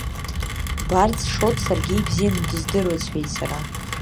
Барц Шоҭ саргьы ибзианы дыздыруеит, — сҳәеит сара.